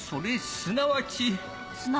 すなわち。